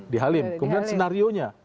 di halim kemudian senarionya